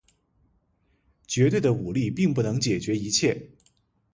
绝对的武力并不能解决一切。